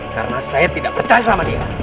karena saya tidak percaya sama dia